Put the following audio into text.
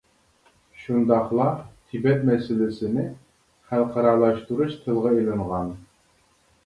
شۇنداقلا تىبەت مەسىلىسىنى خەلقئارالاشتۇرۇش تىلغا ئېلىنغان.